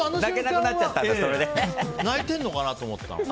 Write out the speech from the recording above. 泣いてるのかなと思った。